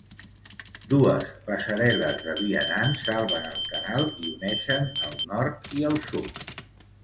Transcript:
Dues passarel·les de vianants salven el canal i uneixen el nord i el sud.